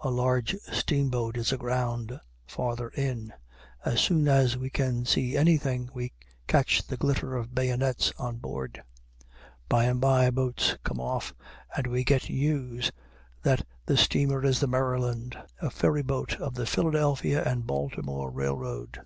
A large steamboat is aground farther in. As soon as we can see anything, we catch the glitter of bayonets on board. By and by boats come off, and we get news that the steamer is the "Maryland," a ferry boat of the Philadelphia and Baltimore Railroad.